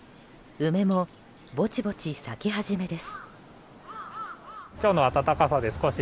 梅も、ぼちぼち咲き始めです。